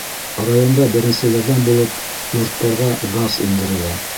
Районда беренселәрҙән булып йорттарға газ индерелә.